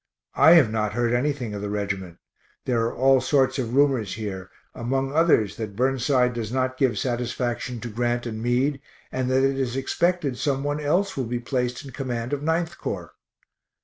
I have not heard anything of the reg't there are all sorts of rumors here, among others that Burnside does not give satisfaction to Grant and Meade, and that it is expected some one else will be placed in command of 9th Corps.